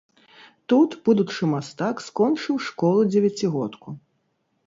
Тут будучы мастак скончыў школу-дзевяцігодку.